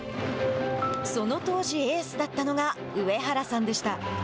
その当時、エースだったのが上原さんでした。